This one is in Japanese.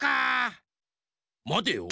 まてよ。